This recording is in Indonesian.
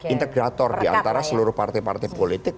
integrator diantara seluruh partai partai politik